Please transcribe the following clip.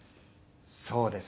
そうです。